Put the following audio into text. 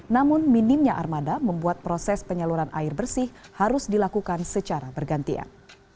namun minimnya armada membuat proses penyaluran air bersih harus dilakukan secara bergantian